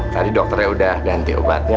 tadi dokternya sudah ganti obatnya